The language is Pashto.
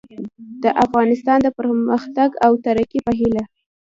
د افغانستان د پرمختګ او ترقي په هیله